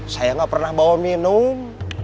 saya nggak pernah bawa minum